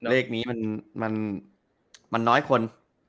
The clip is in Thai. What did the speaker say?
เลขนี้มันมันมันน้อยคน